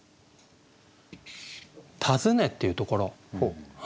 「訪ね」っていうところ。